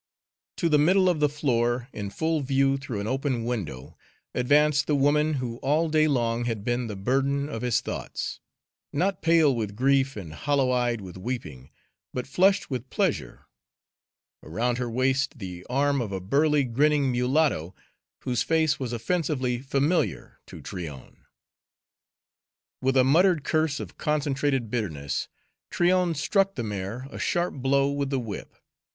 To the middle of the floor, in full view through an open window, advanced the woman who all day long had been the burden of his thoughts not pale with grief and hollow eyed with weeping, but flushed with pleasure, around her waist the arm of a burly, grinning mulatto, whose face was offensively familiar to Tryon. With a muttered curse of concentrated bitterness, Tryon struck the mare a sharp blow with the whip.